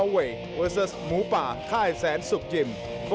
๓ซาเมียนฮัมตันหมูป่าค่ายแสนสุกจิม